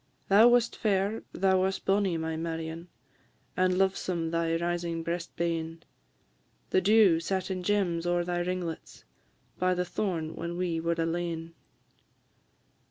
Thou wast fair, thou wast bonnie, my Marion, And lovesome thy rising breast bane; The dew sat in gems ower thy ringlets, By the thorn when we were alane.